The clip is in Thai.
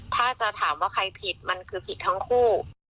ถ้าจะถามว่าใครผิดมันคือผิดทั้งคู่